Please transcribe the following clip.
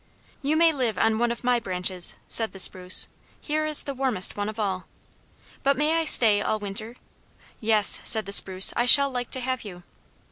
"You may live on one of my branches," said the spruce; "here is the warmest one of all." "But may I stay all winter?" "Yes," said the spruce; "I shall like to have you."